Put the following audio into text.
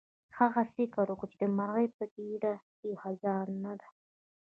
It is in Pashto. هغه فکر وکړ چې د مرغۍ په ګیډه کې خزانه ده.